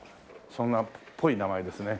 そんなっぽい名前ですね。